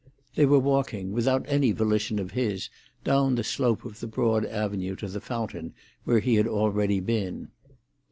They were walking, without any volition of his, down the slope of the broad avenue to the fountain, where he had already been.